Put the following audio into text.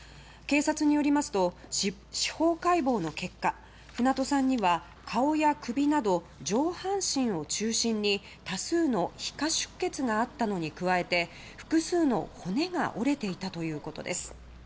警察によりますと司法解剖の結果船戸さんには顔や首など上半身を中心に多数の皮下出血があったのに加えて複数の骨が折れていたということです。